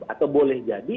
atau boleh jadi